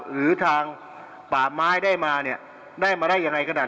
หรือทางป่าไม้ได้มาเนี่ยได้มาได้ยังไงก็ได้